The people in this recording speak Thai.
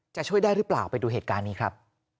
จะช่วยได้หรือเปล่าไปดูเหตุการณ์นี้ครับ